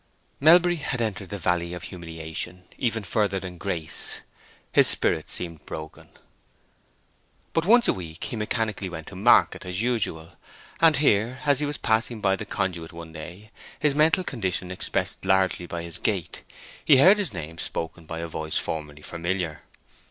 Melbury had entered the Valley of Humiliation even farther than Grace. His spirit seemed broken. But once a week he mechanically went to market as usual, and here, as he was passing by the conduit one day, his mental condition expressed largely by his gait, he heard his name spoken by a voice formerly familiar.